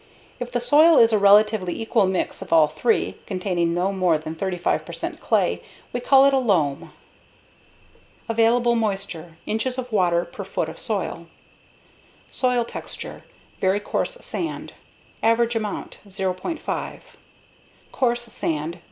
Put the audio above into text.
If the soil is a relatively equal mix of all three, containing no more than 35 percent clay, we call it a loam. Available Moisture (inches of water per foot of soil) Soil Texture Average Amount Very coarse sand 0.